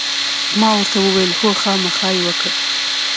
ما ورته وویل: هو، خامخا یې وکړه.